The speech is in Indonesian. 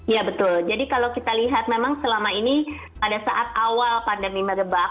ya betul jadi kalau kita lihat memang selama ini pada saat awal pandemi merebak